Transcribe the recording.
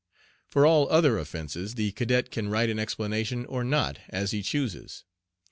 For all other offences the cadet can write an explanation or not as he chooses.